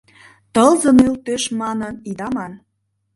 Тылзе нӧлтеш, манын ида ман